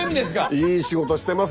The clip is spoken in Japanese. いい仕事してますね。